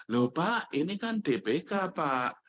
lho pak ini kan dpk pak